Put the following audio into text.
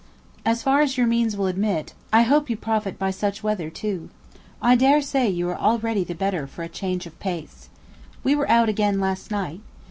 As far as your means will admit, I hope you profit by such weather too. I dare say you are already the better for change of place. We were out again last night.